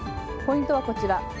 ポイントはこちら。